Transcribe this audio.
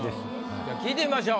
じゃあ聞いてみましょう。